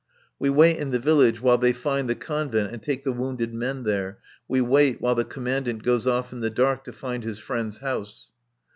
We wait in the village while they find the Convent and take the wounded men there; we wait while the Commandant goes off in the dark to find his friend's house.